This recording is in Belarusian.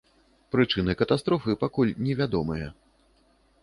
Прычыны катастрофы пакуль невядомыя.